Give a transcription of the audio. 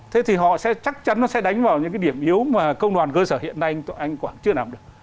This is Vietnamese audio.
thế thì họ sẽ chắc chắn nó sẽ đánh vào những cái điểm yếu mà công đoàn cơ sở hiện nay anh quảng chưa làm được